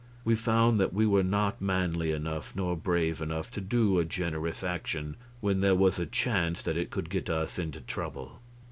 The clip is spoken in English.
We found that we were not manly enough nor brave enough to do a generous action when there was a chance that it could get us into trouble.